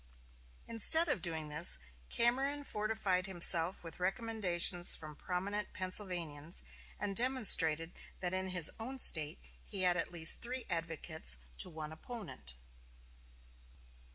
Instead of doing this, Cameron fortified himself with recommendations from prominent Pennsylvanians, and demonstrated that in his own State he had at least three advocates to one opponent.